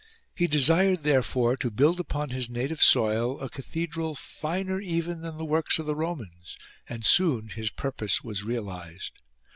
He desired there fore to build upon his native soil a cathedral finer even than the works of the Romans, and soon his purpose was realised.